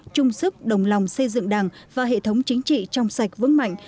trung sức đồng lòng xây dựng đảng và hệ thống chính trị trong sạch vững mạnh